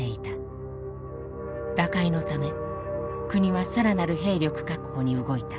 打開のため国は更なる兵力確保に動いた。